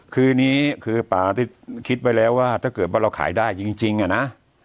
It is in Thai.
คืออันนี้คือป่าที่คิดไว้แล้วว่าถ้าเกิดว่าเราขายได้จริงอะนะ